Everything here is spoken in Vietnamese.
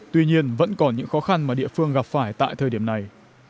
tuy nhiên vẫn còn những khó khăn mà địa phương gặp phải tại thời điểm này